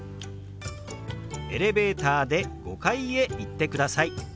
「エレベーターで５階へ行ってください」。